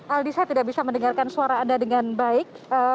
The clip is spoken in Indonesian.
aldi saya tidak bisa mendengarkan suara anda dengan baik